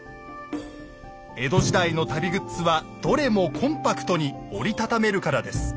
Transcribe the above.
江戸時代の旅グッズはどれもコンパクトに折り畳めるからです。